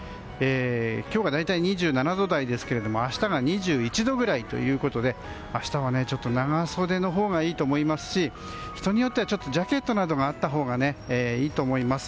今日が大体２７度台ですが明日が２１度くらいということで明日は長袖のほうがいいと思いますし人によってはジャケットなどがあったほうがいいと思います。